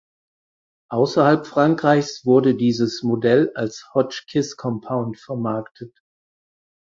Außerhalb Frankreichs wurde dieses Modell als Hotchkiss Compound vermarktet.